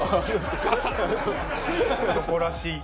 男らしい。